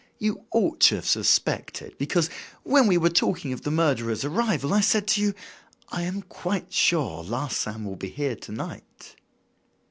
You ought to have suspected, because when we were talking of the murderer's arrival, I said to you: 'I am quite sure Larsan will be here to night.